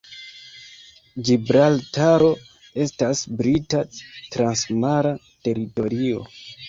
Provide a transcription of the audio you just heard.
Ĝibraltaro estas Brita transmara teritorio.